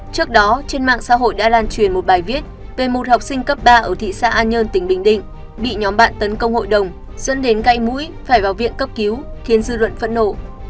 trước đó trên mạng xã hội đã lan truyền một bài viết về một học sinh cấp ba ở thị xã an nhơn tỉnh bình định bị nhóm bạn tấn công hội đồng dẫn đến gãy mũi phải vào viện cấp cứu khiến dư luận phẫn nộ